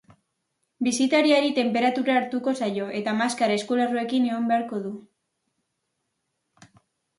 Bisitariari tenperatura hartuko zaio, eta maskara eta eskularruekin egon beharko du.